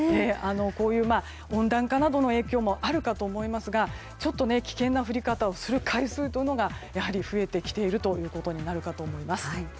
こういう温暖化などの影響もあると思いますがちょっと危険な降り方をする回数が増えてきているということになるかと思います。